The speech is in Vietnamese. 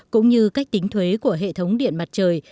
cũng như cách tính thuế của hệ thống điện mặt trời